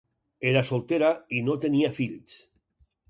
Era soltera i no tenia fills.